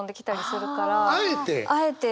あえて？